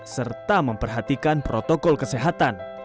serta memperhatikan protokol kesehatan